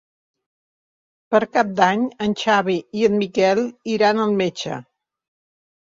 Per Cap d'Any en Xavi i en Miquel iran al metge.